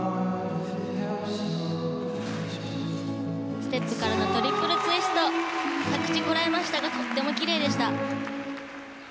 ステップからのトリプルツイスト着地、こらえましたがとっても奇麗でした。